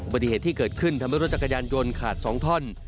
ปฏิเหตุที่เกิดขึ้นทำให้รถจักรยานยนต์ขาด๒ท่อน